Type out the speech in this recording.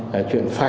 là chuyện phải làm